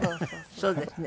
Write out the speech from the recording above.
そうですね。